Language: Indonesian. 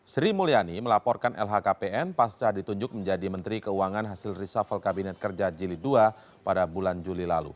sri mulyani melaporkan lhkpn pasca ditunjuk menjadi menteri keuangan hasil reshuffle kabinet kerja jilid dua pada bulan juli lalu